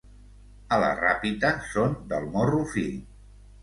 A la Ràpita són del morro fi